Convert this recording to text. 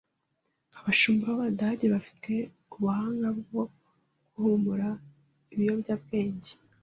Abashumba b'Abadage bafite ubuhanga bwo guhumura ibiyobyabwenge. (